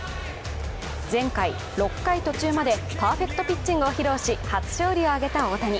前回、６回途中までパーフェクトピッチングを披露し初勝利を挙げた大谷。